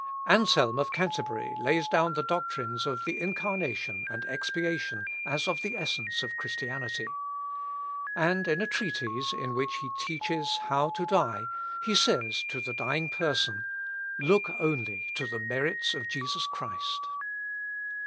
Anselm of Canterbury lays down the doctrines of the incarnation and expiation as of the essence of Christianity. And in a treatise in which he teaches how to die, he says to the dying person, "Look only to the merits of Jesus Christ."